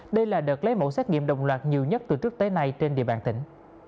đây là đợt lấy mẫu xét nghiệm đồng loạt nhiều nhất từ trước tới nay trên địa bàn tỉnh